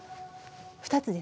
２つですね。